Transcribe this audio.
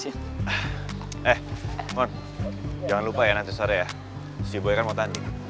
eh mohon jangan lupa ya nanti sore ya si boya kan mau tanding